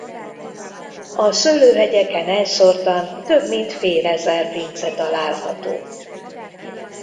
A szőlőhegyeken elszórtan több mint félezer pince található.